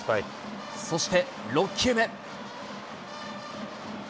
そして６球目。